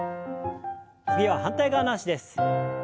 次は反対側の脚です。